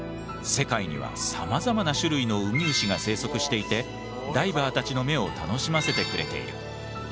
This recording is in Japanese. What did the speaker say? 世界にはさまざまな種類のウミウシが生息していてダイバーたちの目を楽しませてくれている。